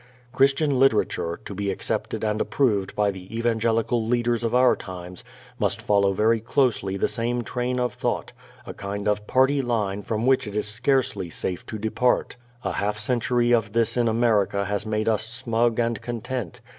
Christian literature, to be accepted and approved by the evangelical leaders of our times, must follow very closely the same train of thought, a kind of "party line" from which it is scarcely safe to depart. A half century of this in America has made us smug and content.